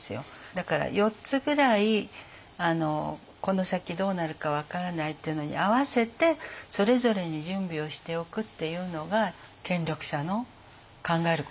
だから４つぐらいこの先どうなるか分からないっていうのに合わせてそれぞれに準備をしておくっていうのが権力者の考えることだと思うので。